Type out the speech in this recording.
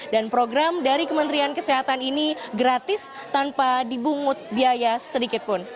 dan program dari kementerian kesehatan ini gratis tanpa dibungkut biaya sedikitpun